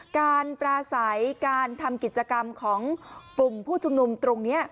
การปราศัยการทำกิจกรรมของกลุ่มผู้ชุมนุมตรงนี้